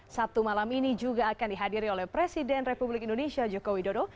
sabtu malam ini juga akan dihadiri oleh presiden republik indonesia joko widodo